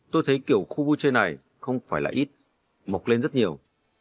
tôi thấy kiểu khu vui chơi này không phải là ít mọc lên rất nhiều